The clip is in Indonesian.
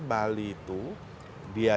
bali itu dia